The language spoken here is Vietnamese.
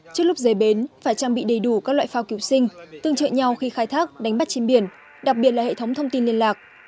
trước lúc rời bến phải trang bị đầy đủ các loại phao cứu sinh tương trợ nhau khi khai thác đánh bắt trên biển đặc biệt là hệ thống thông tin liên lạc